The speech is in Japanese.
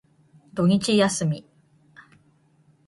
土日休み。